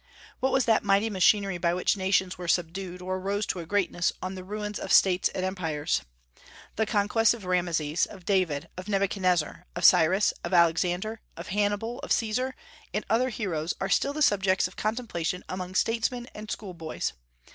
What was that mighty machinery by which nations were subdued, or rose to greatness on the ruin of States and Empires? The conquests of Rameses, of David, of Nebuchadnezzar, of Cyrus, of Alexander, of Hannibal, of Caesar, and other heroes are still the subjects of contemplation among statesmen and schoolboys.